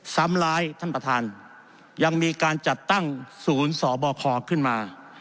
ซ้ำร้ายท่านประธานยังมีการจัดตั้งศูนย์สบคขึ้นมา